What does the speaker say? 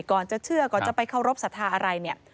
ก่อนจะเชื่อก่อนจะไปเข้ารบสถาอะไรเนี่ย